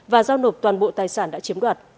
và giao nộp toàn bộ tài sản đã chiếm đoạt